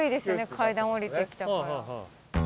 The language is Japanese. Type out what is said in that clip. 階段下りてきたから。